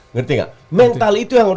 ngerti gak mental itu yang udah lu